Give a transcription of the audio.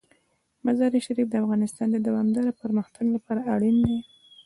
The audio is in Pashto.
مزارشریف د افغانستان د دوامداره پرمختګ لپاره اړین دي.